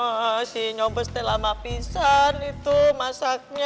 masaknya masih nyobes